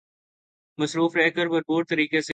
مصروف رہ کر بھرپور طریقے سے